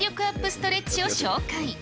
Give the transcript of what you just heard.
ストレッチを紹介。